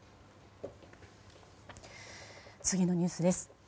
次のニュースです。